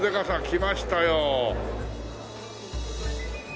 きましたよ。